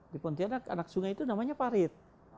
di pontianak anak sungai itu namanya parit